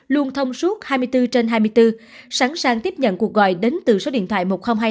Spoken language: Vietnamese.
luôn thông suốt hai mươi bốn trên hai mươi bốn sẵn sàng tiếp nhận cuộc gọi đến từ số điện thoại một nghìn hai mươi hai